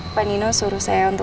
panino suruh saya untuk